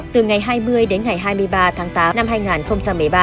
từ ngày hai mươi đến ngày hai mươi ba tháng tám năm hai nghìn một mươi ba